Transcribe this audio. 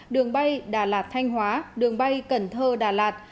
đường bay đà lạt thanh hóa đường bay cần thơ đà lạt